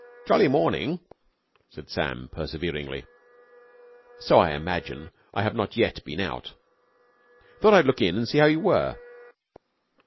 "Jolly morning," said Sam, perseveringly. "So I imagine. I have not yet been out." "Thought I'd look in and see how you were."